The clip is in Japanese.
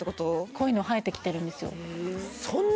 濃いの生えてきてるんですよ